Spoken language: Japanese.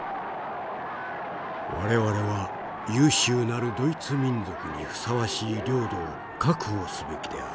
「我々は優秀なるドイツ民族にふさわしい領土を確保すべきである。